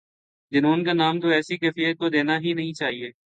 جنون کا نام تو ایسی کیفیت کو دینا ہی نہیں چاہیے۔